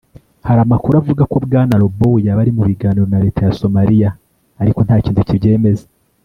Hari amakuru avuga ko bwana Robow yaba ari mu biganiro na leta ya Somalia ariko nta kintu kibyemeza